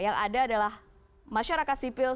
yang ada adalah masyarakat sipil